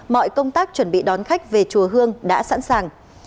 mọi công tác chuẩn bị đón khách về chùa hương đã sẵn sàng